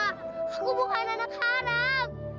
aku bukan anak haram